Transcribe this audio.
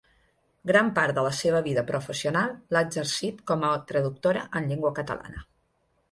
Gran part de la seva vida professional l'ha exercit com a traductora en llengua catalana.